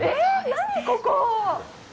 何ここ！